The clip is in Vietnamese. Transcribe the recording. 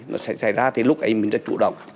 nó sẽ xảy ra thì lúc ấy mình đã chủ động